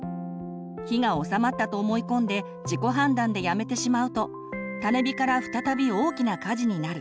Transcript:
火が収まったと思い込んで自己判断でやめてしまうと種火から再び大きな火事になる。